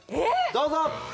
どうぞ。